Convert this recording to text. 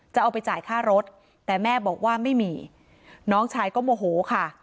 จะเอาไปจ่ายค่ารถแต่แม่บอกว่าไม่มีน้องชายก็โมโหค่ะ